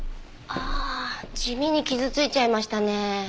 ああ地味に傷ついちゃいましたね。